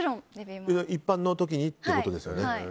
一般の時にっていうことですよね。